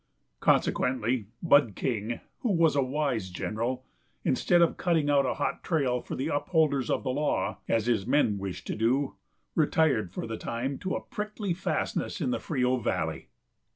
Consequently, Bud King, who was a wise general, instead of cutting out a hot trail for the upholders of the law, as his men wished to do, retired for the time to the prickly fastnesses of the Frio valley.